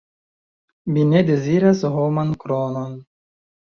Mi ne deziras homan kronon.